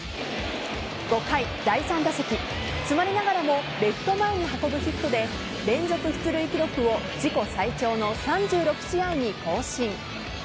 ５回、第３打席詰まりながらもレフト前に運ぶヒットで連続出塁記録を自己最長の３６試合に更新。